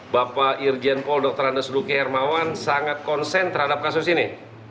bapak irjen paul dr andes luki hermawan sangat konsen terhadap kasus ini